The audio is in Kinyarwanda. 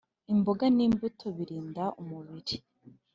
imboga n’imbuto birinda umubiri